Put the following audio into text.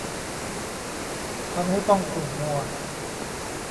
ทำให้ต้องขุ่นมัว